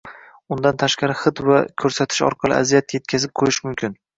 Undan tashqari hid va koʻrsatish orqali aziyat yetkazib qoʻyish mumkin.